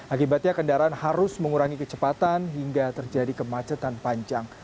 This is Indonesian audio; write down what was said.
akibatnya kendaraan harus mengurangi kecepatan hingga terjadi kemacetan panjang